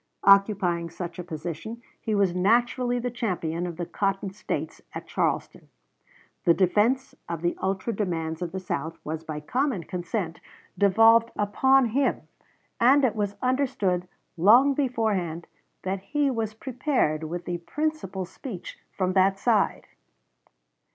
Occupying such a position, he was naturally the champion of the Cotton States at Charleston. The defense of the ultra demands of the South was by common consent devolved upon him, and it was understood long beforehand that he was prepared with the principal speech from that side.